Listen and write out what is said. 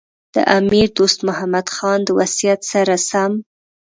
د امیر دوست محمد خان د وصیت سره سم.